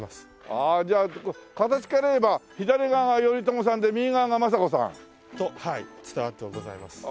ああじゃあ形から言えば左側が頼朝さんで右側が政子さん？と伝わってはございます。